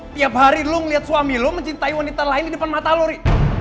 tiap hari lo ngeliat suami lo mencintai wanita lain di depan mata lo ri